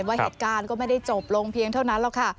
ว่าเหตุการณ์ก็ไม่ได้จบลงเพียงเท่านั้นหรอกค่ะ